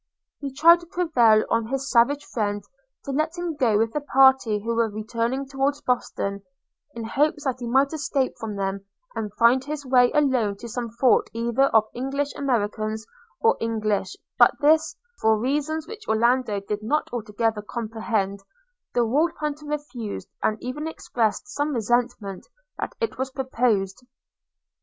He tried to prevail on his savage friend to let him go with the party who were returning towards Boston, in hopes that he might escape from them, and find his way alone to some fort either of English Americans or English but this, for reasons which Orlando did not altogether comprehend, the Wolf hunter refused, and even expressed some resentment that it was proposed.